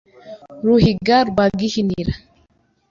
Ruhiga rwa Gihinira